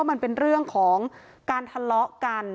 มันเป็นเรื่องของการทะเลาะกัน